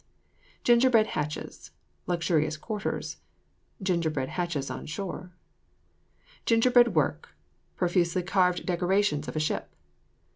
GINGERBREAD HATCHES. Luxurious quarters "Gingerbread hatches on shore." GINGERBREAD WORK. Profusely carved decorations of a ship.